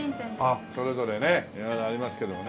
あっそれぞれね色々ありますけどもね。